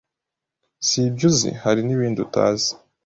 si ibyo uzi, hari nibindi utazi